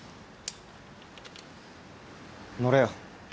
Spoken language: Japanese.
乗れよ。